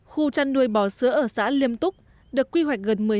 khu chăn nuôi bò sữa ở xã liêm túc được quy hoạch gần đây